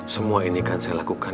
berharga rp enam lima ratus yang cepetan